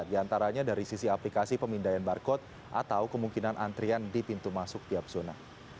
di antaranya dari sisi aplikasi pemindaian barcode atau kemungkinan antrian di pintu masuk tiap zona